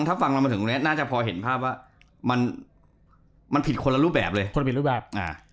ถ้าฟังเรามาถึงตรงเนี้ยน่าจะพอเห็นภาพว่ามันมันผิดคนละรูปแบบเลยคนละผิดรูปแบบอ่า